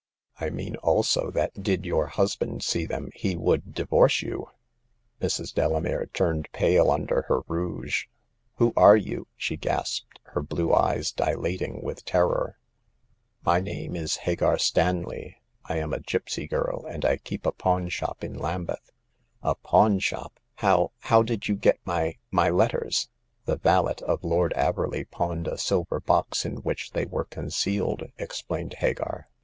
"I mean also that did your husband see them he would divorce you !" Mrs. Delamere turned pale under her rouge. *' Who are you ?" she gasped, her blue eyes dilating with terror. The Ninth Customer. 243 My name is Hagar Stanley. I am a gipsy girl, and I keep a pawn shop in Lambeth." A pawn shop ! How— how did you get my — my letters ?"The valet of Lord Averley pawned a silver box in which they were concealed," explained Hagar.